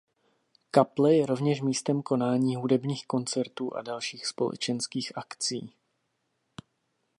Kaple je rovněž místem konání hudebních koncertů a dalších společenských akcí.